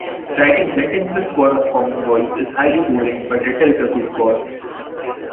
Writing sentences for Common Voice is highly boring, but it is a good cause.